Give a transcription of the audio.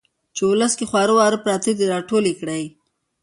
چې ولس کې خواره واره پراته دي را ټول يې کړي.